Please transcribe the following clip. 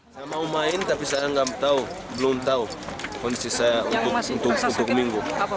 saya mau main tapi saya nggak tahu belum tahu kondisi saya untuk minggu